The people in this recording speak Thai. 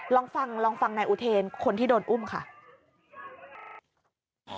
ลองฟังลองฟังนายอุเทนคนที่โดนอุ้มค่ะ